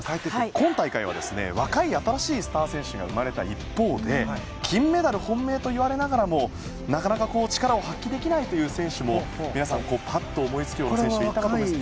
今回は若い新しいスター選手が生まれた一方で金メダル本命と言われながらもなかなか力を発揮できないという選手も、皆さんぱっと思いつくような選手でいますか？